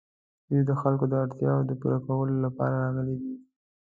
دوی د خلکو د اړتیاوو د پوره کولو لپاره راغلي دي.